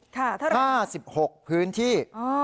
ค่ะเท่าไรนะครับค่ะ๕๖พื้นที่